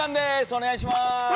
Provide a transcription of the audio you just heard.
お願いします！